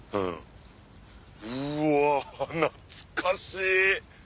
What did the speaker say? うわ懐かしい！